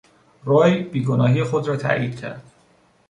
روی بیگناهی خود را تاکید کرد.